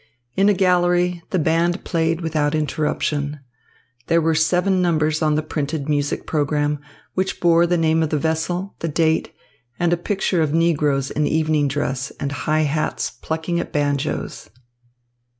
In a gallery the band played without interruption. There were seven numbers on the printed music programme, which bore the name of the vessel, the date, and a picture of negroes in evening dress and high hats plucking at banjos.